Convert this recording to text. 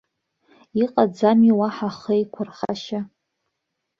Иҟаӡами уаҳа хеиқәырхашьа?